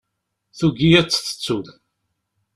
Tugi ad tt-tettu.